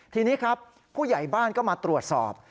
ทีนี้ครับผู้ใหญ่บ้านก็มาตรวจสอบ